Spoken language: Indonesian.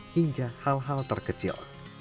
hingga hal hal terkecil